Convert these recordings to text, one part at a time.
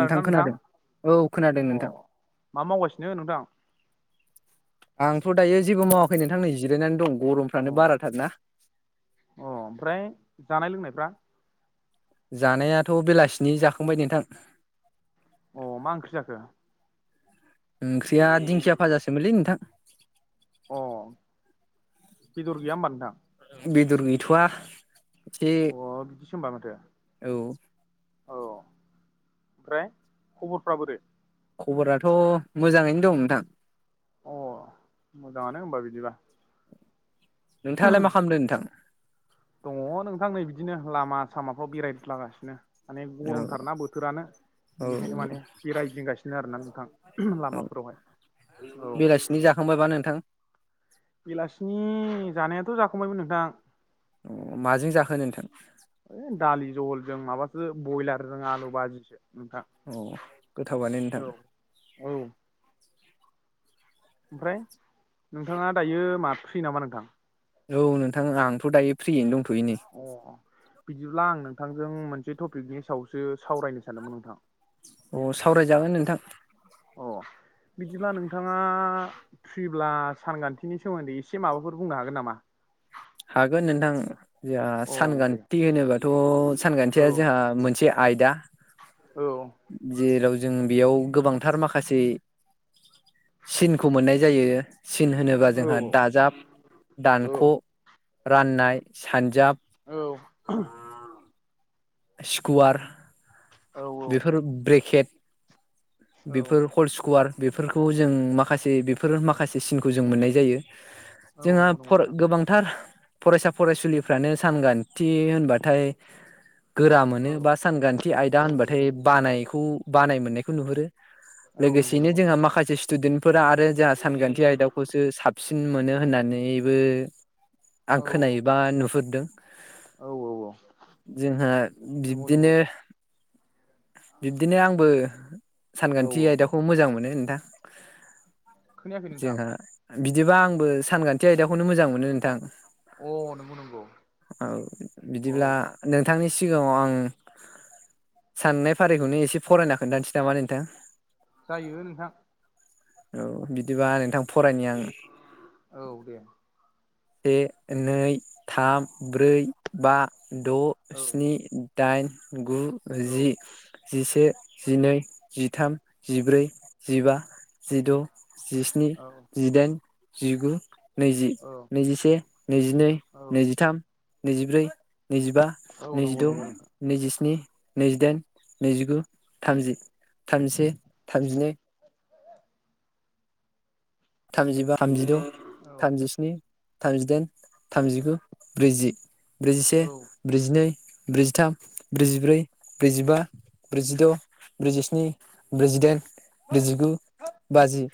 नोंथां खोनादों औ अ खोनादों नोंथां। मा मावगासिनो नोंथां आंथ' दायो जेबो मावाखै नोंथांनो जिरायनानै दं अ गरमफ्रानो बाराथार ना। अ ओमफ्राय जानाय लोंनायफ्रा जानायाथ' बेलासिनि जाखांबाय नोंथां। अ मा ओंख्रि जाखो? ओंख्रिया दिंखिया भाजासोमोनलै नोंथां। अ बेदर गैया होनबा नोंथां? बेदर गैथ'वा। एसे अ बिदिसो होनबा माथो। औ औ ओमफ्राय खबरफ्रा बोरो खबराथ' मोजाङैनो दं नोंथां। अ मोजाङानो होनबा बिदिबा। नोंथाङालाय मा खालामदों नोंथां? दङ नोंथां नै बिदिनो लामा सामाफ्राव बेरायलागासिनो माने औ गरमथारना बोथोरानो औ बिनिखायनो माने बे रायदिंगासिनो आरोना नोंथां औ लामाफोरावहाय औ बेलासिनि जाखांबायबा नोंथां? बेलासिनि जानायाथ' जाखांबायमोन नोंथां। अ माजों जाखोन नोंथां? इ दालि जहल जों माबासो बयलार जों आलु बाजिसो नोंथां। औ गोथावानो औ नोंथां। औ ओमफ्राय नोंथाङा दायो मा फ्रि नामा नोंथां? औ नोंथां आंथ' दायो फ्रियैनो दंथ'य नै। अ बिदिब्ला आं नोंथांजों मोनसे टपिकनि सायावसो सावरायनो सानदोंमोन नोंथां। अ सावरायजागोन नोंथां। औ बिदिब्ला नोंथाङा फ्रिब्ला सानखान्थिनि सोमोन्दै एसे माबाफोर बुंनो हागोन नामा? हागोन नोंथां जोंहा औ दे सानखान्थि होनोबाथ' औ सानखान्थिया जोंहा मोनसे आयदा। औ। जेराव जों बेयाव गोबांथार माखासे सिनखौ मोननाय जायो सिन होनोबा औ जोंहा दाजाब औ दानख' राननाय सानजाब। औ। स्कुवार औ बेफोर ब्रेकेट औ बेफोर हल स्कुवार बेफोरखौ जों माखासे बेफोर माखासे सिनखौ जों मोननाय जायो औ जोंहा नंगौ नंगौ नोंथां गोबांथार फरायसा फरायसुलिफ्रानो सानग्रानथि होनबाथाय गोरा मोनो औ बा सानखान्थि आयदा औ नंगौ होनबाथाय नंगौ नोंथां बानायखौ बानाय मोननायखौ नुहुरो औ नंगौ लोगोसेनो नंगौ जोंहा नोंथां माखासे स्टुदेन्टफोरा आरो जोंहा सानखान्थि आयदाखौसो साबसिन मोनो होननानैबो आं औ खोनायोबा नुहुरदों औ औ औ जोंहा नंगौ बिब्दिनो नंगौ बिबदिनो आंबो औ सानखान्थि आयदाखौ मोजां मोनो नोंथां खोनायाखै नोंथां जोंहा बिदिबा आंबो सानखान्थि आयदाखौनो मोजां मोनो नोंथां अ नंगौ नंगौ औ औ बिदिब्ला नोंथांनि सिगाङाव आं साननाय फारिखौनो एसे फरायना खोन्थानोसै नामा नोंथां जायो नोंथां औ बिदिबा नोंथां फरायनि आं औ दे से नै थाम ब्रै बा द' औ स्नि दाइन गु‌ जि औ जिसे जिनै जिथाम जिब्रै जिबा जिद' जिस्नि औ जिदाइन जिगु नैजि औ नैजिसे नैजिनै औ नैजिथाम नैजिब्रै नैजिबा औ नंगौ नैजिद' नंगौ नोंथां नैजिस्नि नैजिदाइन नैजिगु थामजि थामजिसे थामजिनै थामजिबा थामजिद' औ थामजिस्नि थामजिदाइन थामजिगु ब्रैजि ब्रैजिसे औ ब्रैजिनै ब्रैजिथाम ब्रैजिब्रै ब्रैजिबा ब्रैजिद' ब्रैजिस्नि ब्रैजिदाइन ब्रैजिगु बाजि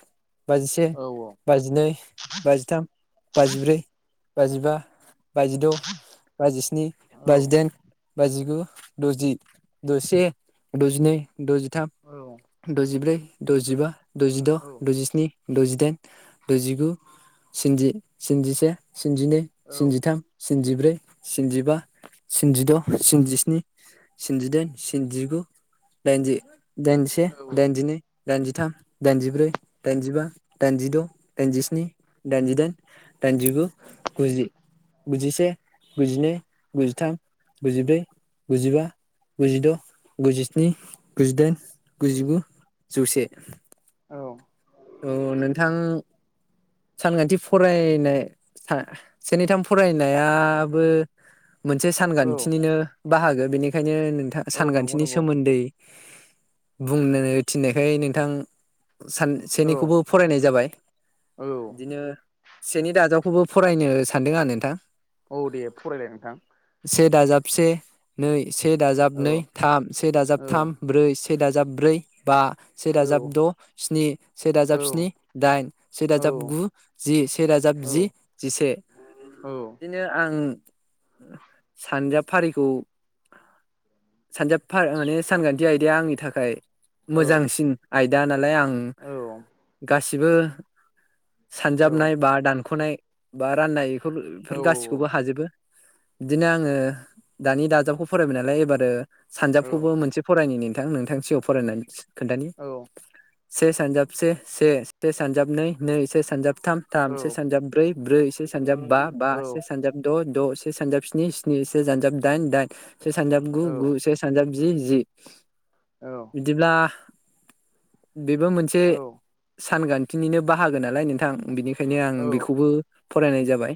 बाजिसे औ बाजिनै बाजिथाम बाजिब्रै बाजिबा बाजिद' बाजिस्नि औ बाजिदाइन बाजिगु द'जि दसे दजिनै औ द'जिथाम द'जिब्रै द'जिबा द'जिद' औ द'जिस्नि द'जिदाइन द'जिगु स्निजि स्निजिसे स्निजिनै औ स्निजिथाम स्निजिब्रै स्निजिबा स्निजिद' स्निजिस्नि स्निजिदाइन स्निजिगु दाइनजि दाइनजि से औ दाइनजिनै दाइनजिथाम दाइनजिब्रै दाइनजिबा दाइनजिद' दाइनजिस्नि दाइनजिदाइन दाइनजिगु गुजि गुजिसे गुजिनै गुजिथाम गुजिब्रै गुजिबा गुजिद' गुजिस्नि गुजिदाइन गुजिगु जौसे औ औ नोंथां सानखान्थि फरायनाय से नै थाम फरायनायाबो मोनसे औ सानखान्थिनिनो बाहागो बेनिखायनो नोंथां औ नंगौ सानखान्थिनि नंगौ सोमोन्दै बुंनो थिननायखाय नोंथां औ सानसेनिखौबो फरायनाय जाबाय औ बिदिनो सेनि दाजाबखौबो फरायनो सानदों आं नोंथां औ दे फरायलाय नोंथां से दाजाब से नै से दाजाब औ नै थाम से दाजाब औ थाम ब्रै से दाजाब ब्रै बा से औ दाजाब द स्नि। से औ दाजाब स्नि दाइन औ सेराजाब गु जि सेराजाब औ जि जिसे। औ बिदिनो आं सानजाफारिखौ। सानजाबफार माने सानखान्थि आयदाया आंनि थाखाय मोजांसिन आयदा नालाय आं। औ गासिबो सानजाबनाय बा दानखनाय बा राननायखौ बेफोर गासिबो खौबो हाजोबो बिदिनो आङो दानि दाजाबखौ फरायबाय नालाय एबारो। सानजाबखौबो मोनसे फरायनायनि नोंथां नोंथांनि सिगाङाव फरायनानै खोन्थानि। औ से सानजाब से से से सानजाब नै नै से सानजाबथाम। थाम से सानजाब ब्रै ब्रै से सानजाब बा बा से सानजाब। द द से सानजाब स्नि स्नि से सानजाब दाइन दाइन से सानजाब गु गु से सानजाब। जि जि औ बिदिब्ला बेबो मोनसे औ सानखान्थिनिनो बाहागो नालाय नोंथां बिनिखायनो आं औ बेखौबो। फरायनाय जाबाय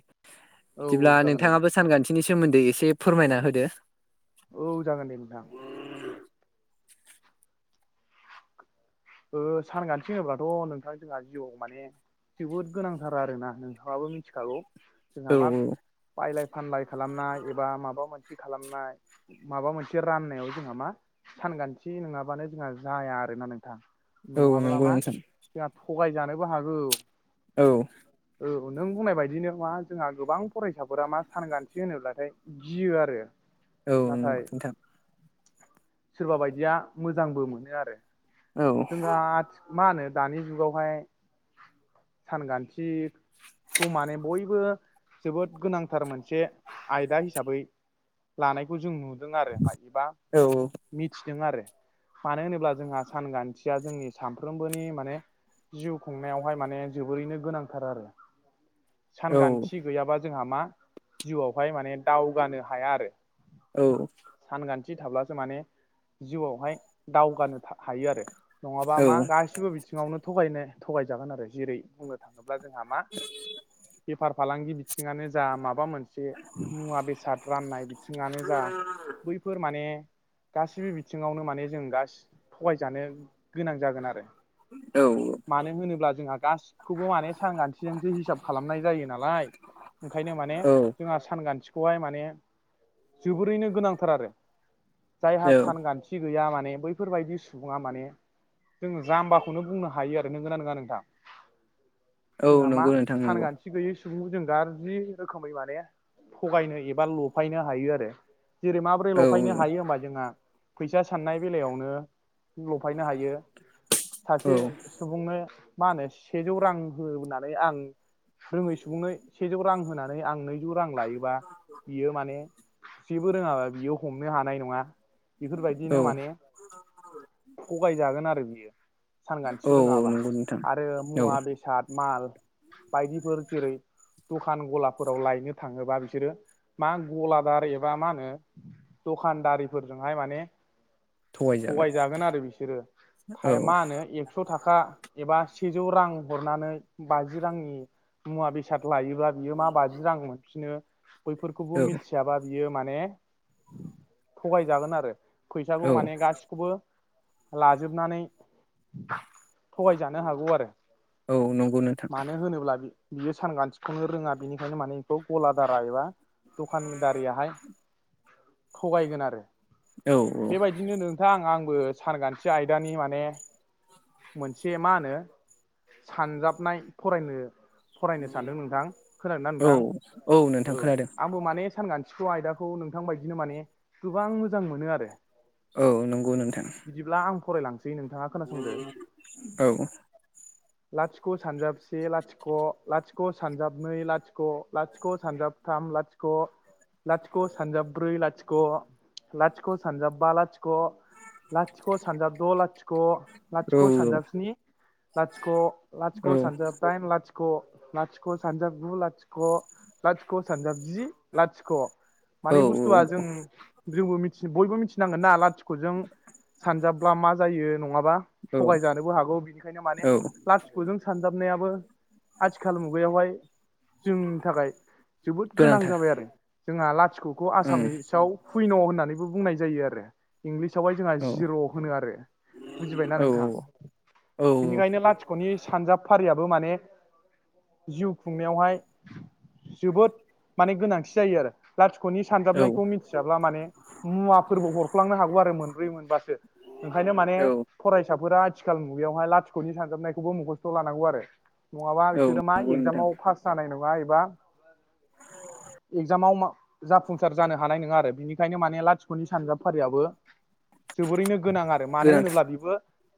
औ बिदिब्ला जागोन दे नोंथां नोंथाङाबो सानखान्थिनि सोमोन्दै एसे फोरमायना होदो। औ जागोन दे नोंथां। [inaudible] ओ सानखान्थि होनोब्ला थ नोंथां जोंहा जिउआव माने जोबोद गोनांथार आरोना नोंथाङाबो मिथिखागौ जोंहा औ मा। बायलाय फानलाय खालामनाय एबा माबा मोनसे खालामनाय। माबा मोनसे राननायाव जोंहा मा सानखान्थि नङाबानो जोंहा। जाया आरोना नोंथां औ नङाब्ला नंगौ मा नोंथां जोंहा थगायजानोबो हागौ। औ औ नों बुंनाय बायदिनो मा जोंहा गोबां फरायसाफोरा मा सानगानथि होनोब्लाथाय। गियो आरो औ नाथाय नंगौ नोंथां सोरबा बायदिया मोजांबो मोनो आरो। औ जोंहा मा होनो दानि जुगावहाय। सानखान्थि खौ माने बयबो जोबोद गोनांथार मोनसे आयदा हिसाबै। लानायखौ जों नुदों आरो मायोबा औ मिथिदों आरो। मानो होनोब्ला जोंहा सानखान्थिया जोंनि सानफ्रोमबोनि माने। जिउ खुंनायावहाय माने जोबोरैनो गोनांथार आरो। औ सानखान्थि गैयाबा जोंहा मा जिउआवहाय माने दावगानो हाया आरो। औ सानखान्थि थाब्लासो माने जिउआवहाय दावगानो हायो आरो। नङाबा मा गासिबो बिथिङावनो थगायनो थगायजागोन आरो जेरै बुंनो थाङोब्ला जोंहा मा बेफार फालांगि बिथिङानो जा माबा मोनसे। एसे मुवा बेसाद राननाय बिथिङानो जा बै। फोर माने गासिबो बिथिङावनो माने। जों गास थगायजानो गोनां जागोन आरो। औ मानो होनोब्ला जोंहा गासिखौबो माने सानखानथिजोंसो हिसाब खालामनाय जायो नालाय। ओंखायनो माने औ जोंहा सानखानथि। खौहाय माने जोबोरैनो गोनांथार आरो जायहा औ सानखान्थि गैया मान माने बैफोरबायदि सुबुङा माने जोङो जाम्बाखौनो बुंनो हायो आरो नोंगोनना नङा नोंथां। औ नंगौ नोंथां नंगौ। थि गैयै सुबुंखौ जों गाज्रि रोखोमै माने थगायनो एबा लफायनो हायो आरो। जेरै माबोरै औ लफायनो हायो होमबा जोंहा फैसा साननाय बेलायावनो लफायनो हायो औ सासे सुबुंनो मा होनो सेजौ रां हो होनानै आं रोङै सुबुंनो सेजौ रां होनानै आं नैजौ रां लायोबा बियो माने जेबो रोङाबा बियो हमनो हानाय नङा। औ। बेफोरबायदिनो माने थगायजागोन आरो बियो। औ सानखान्थि औ रोङाबा नंगौ नोंथां आरो औ मुवा बेसाद माल बायदि फोर जेरै दखान गलाफोराव लायनो थाङोबा बिसोरो मा गलादार एबा मा होनो दखानदारिफोरजोंहाय माने थगायजागोन आरो बिसोरो औ थाय मा होनो ए कस' थाखा एबा सेजौ रां हरनानै बाजि रांनि मुवा बे साद लायोब्ला बियो मा बाजि रां मोनफिनो बैफोरखौबो औ मिथि थियाबा बियो माने थगायजागोन आरो फैसाखौ औ माने खौबो लाजोबनानै थगायजानो हागौ आरो औ नंगौ नोंथां मानो होनोब्ला बियो सानखान्थिखौनो रोङा बेनिखायनो माने बेखौ गलादारा एबा दखानदारियाहाय थगायगोन आरो औ बेबायदिनो नोंथां आं आंबो सानखान्थि आयदानि माने मोनसे मा होनो सानजाबनाय फरायनो फरायनो सानदों नोंथां खोनादोंना औ नोंथां नोंथां औ खोनादों आंबो माने सानखान्थि सु आयदाखौ नोंथां बायदिनो माने गोबां मोजां मोनो आरो। औ नंगौ नोंथां। बिदिब्ला आं फरायलांसै नोंथाङा खोनासंदो। [inaudible] लाथिख' सानजाब से लाथिख' लाथिख' सानजाब नै लाथिख' लाथिख' सानजाब थाम लाथिख' ख लाथिख' सानजाब्रै लाथिख' लाथिख' सानजाबबा लाथिख' लाथिख' लाथिख' सानजाब द' लाथिख' औ लाथिख सानजाब सिनि लाथिख' लाथिख सानजाब डाइन लाथिख' लाथिख' सानजाब गु लाथिख' लाथिख' सानजाब जि लाथिख' औ मानि बुस्थुआ जों जोंबो मिथि बयबो मिथि नांगोन ना लाथिख'जों सानजाबब्ला मा जायो नङाबा औ थगायजानोबो हागौ बिनिखायनो माने औ लाथिख'जों सानजाबनायाबो आथिखाल मुगायावहाय जोंनि थाखाय जोबोद गोनां गोनांथार जाबाय आरो जोंहा लाथिख'खौ ओं आसामिसाव पुइन' होननानैबो बुंनाय जायो आरो इंलिसावहाय जोंहा औ जिर' होनो आरो बुजिबायना औ नों थां बिनिखायनो लाथिख'नि सानजाब फारियाबो माने जिउ खुंनायावहाय जोबोद माने गोनांथि जायो आरो। लाथिख'नि औ सानजाबनायखौ मिथियाब्ला माने मुवाफोरबो हरफ्लांनो हागौ आरो मोनब्रै मोनबासो। ओंखायनो माने औ फरायसाफोरा आथिखाल मुगायावहाय लाथिख'नि सानजाबनायखौबो मखस्थ' लानांगौ आरो। नङाबा औ बिसोरो मा नंगौ नोंथां एकजामाव पास जानाय नङा एबा एकजामाव मा जाफुंसार जानो हानाय नङा आरो बेनिखायनो माने लाथिख'नि सानजाबफारियाबो जोबोरैनो गोनां आरो मानो गोनांथार होनोब्ला बेबो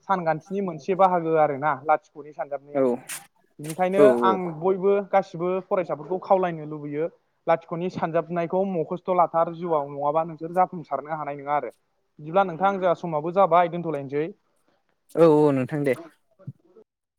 सानखान्थिनि मोनसे बाहागो आरोना लाथि ख'नि औ सानजाबनायाबो बिनिखायनो औ आं बयबो गासिबो फरायसाफोरखौ खावलायनो लुबैयो लाथिख'नि सानजाबनायखौ मखास्थ' लाथार जिउआव नङाबा नोंसोर जाफुंसारनो हानाय नङा आरो। बिदिब्ला नोंथां जोंहा समाबो जाबाय दोनथ'लायनोसै। औ औ नोंथां दे। [unintelligible]